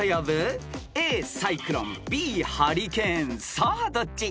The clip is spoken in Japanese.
［さあどっち？］